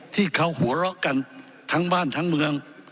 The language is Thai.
ที่เขาหัวเราะกันทั้งบ้านทั้งเมือง